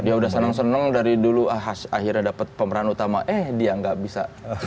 ya sudah seneng seneng dari dulu akhirnya dapat pemeran utama eh dia gak bisa